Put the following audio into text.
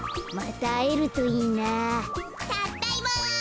たっだいま。